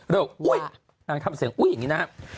อุ๊ยนางทำเสียงอุ้ยอย่างนี้นะครับ